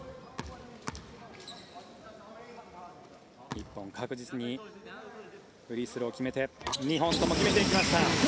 日本、確実にフリースローを決めて２本とも決めていきました。